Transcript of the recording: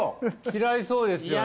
嫌いそうですよね